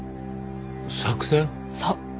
そう。